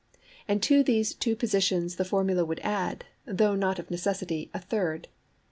And to these two positions the formula would add, though not of necessity, a third.